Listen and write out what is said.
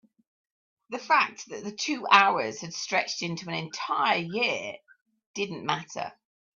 the fact that the two hours had stretched into an entire year didn't matter.